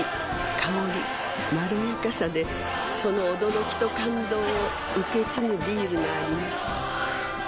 香りまろやかさでその驚きと感動を受け継ぐビールがあります